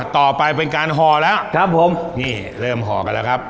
ต่อไปเป็นการห่อแล้วเริ่มห่อกันแล้วครับ